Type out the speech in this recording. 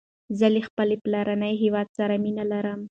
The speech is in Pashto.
زه له خپل پلارنی هیواد سره مینه لرم